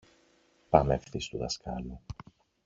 Πάμε ευθύς στου δασκάλου.